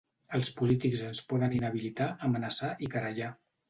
Als polítics ens poden inhabilitar, amenaçar i querellar.